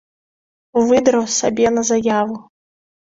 Выдраў сабе на заяву.